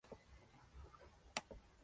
No requiere cirugía.